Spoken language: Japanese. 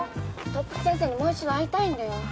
特服先生にもう一度会いたいんだよ。